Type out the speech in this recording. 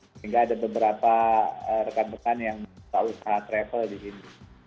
sehingga ada beberapa rekan rekan yang membuka usaha travel di sini